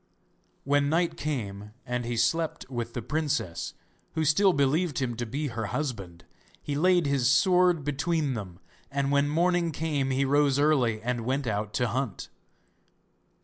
When night came and he slept with the princess, who still believed him to be her husband, he laid his sword between them, and when morning came he rose early and went out to hunt.